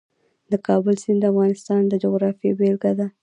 د کابل سیند د افغانستان د جغرافیې بېلګه ده.